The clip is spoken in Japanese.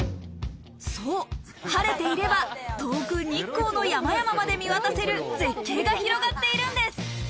そう、晴れていれば遠く、日光の山々まで見渡せる絶景が広がっているんです。